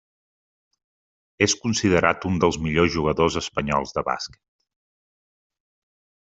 És considerat un dels millors jugadors espanyols de bàsquet.